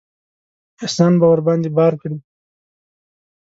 احسان به ورباندې بار کړي.